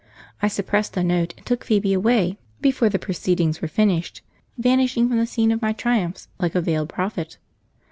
I suppressed the note and took Phoebe away before the proceedings were finished, vanishing from the scene of my triumphs like a veiled prophet.